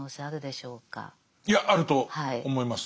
いやあると思います。